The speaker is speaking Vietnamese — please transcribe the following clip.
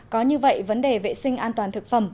có như vậy vấn đề vệ sinh an toàn thực phẩm